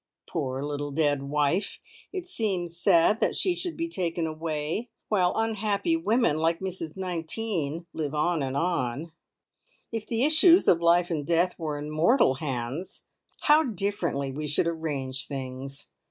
Poor little dead wife! It seems sad that she should be taken away, while unhappy women like Mrs 19 live on and on. If the issues of life and death were in mortal hands, how differently we should arrange things!